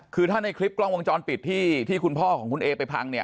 คือถ้าในคลิปกล้องวงจรปิดที่คุณพ่อของคุณเอไปพังเนี่ย